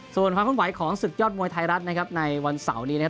ส่วนความขึ้นไหวของศึกยอดมวยไทยรัฐนะครับในวันเสาร์นี้นะครับ